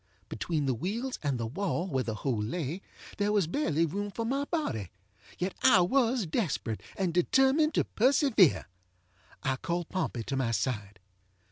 Between the wheels and the wall where the hole lay there was barely room for my bodyŌĆöyet I was desperate, and determined to persevere. I called Pompey to my side.